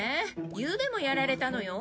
ゆうべもやられたのよ。